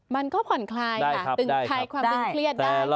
มันก็ผ่อนคลายค่ะตึงคลายความตึงเครียดได้